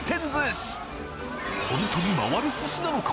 ホントに回る寿司なのか！？